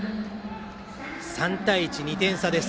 ３対１、２点差です。